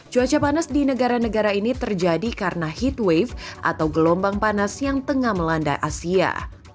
cuaca panas di negara negara ini terjadi karena heatwave atau gelombang panas yang tengah melanda asia